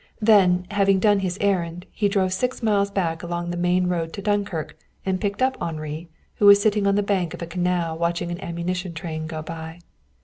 Then, having done his errand, he drove six miles back along the main road to Dunkirk and picked up Henri, who was sitting on the bank of a canal watching an ammunition train go by.